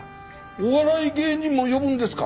お笑い芸人も呼ぶんですか？